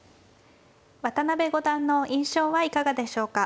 渡辺五段の印象はいかがでしょうか。